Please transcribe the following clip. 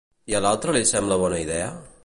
I a l'altre li sembla bona idea?